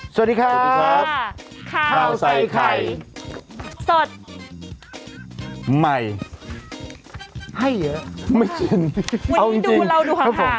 สวัสดีครับข้าวใส่ไข่สดใหม่ให้เยอะไม่ชินเอาจริงวันนี้ดูเราดูหาง